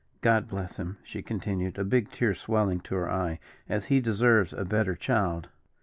God bless him," she continued, a big tear swelling to her eye, "as he deserves a better child."